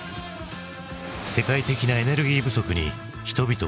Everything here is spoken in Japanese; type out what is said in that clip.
世界的なエネルギー不足に人々は動揺。